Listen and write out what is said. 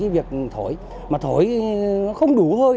việc thổi mà thổi không đủ hơi